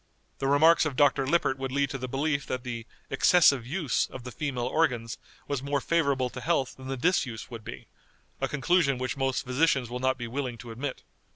The remarks of Dr. Lippert would lead to the belief that the excessive use of the female organs was more favorable to health than the disuse would be, a conclusion which most physicians will not be willing to admit.